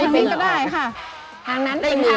ป่า